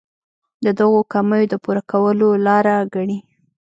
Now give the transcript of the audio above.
د دغو کمیو د پوره کولو لاره ګڼي.